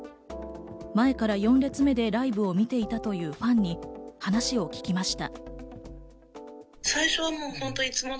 前から４列目でライブを見ていたというファンに話を聞きました。